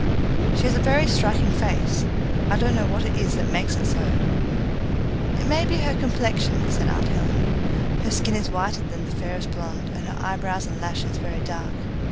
"She has a very striking face. I don't know what it is that makes it so." "It may be her complexion," said aunt Helen; "her skin is whiter than the fairest blonde, and her eyebrows and lashes very dark.